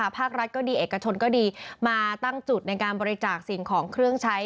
ภาครัฐก็ดีเอกชนก็ดีมาตั้งจุดในการบริจาคสิ่งของเครื่องใช้